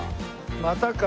またか。